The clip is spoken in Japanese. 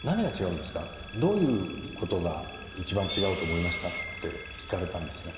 「どういうことが一番違うと思いました？」って聞かれたんですね。